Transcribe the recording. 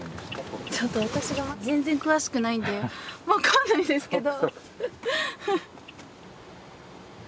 ちょっと私が全然詳しくないんで分かんないんですけど。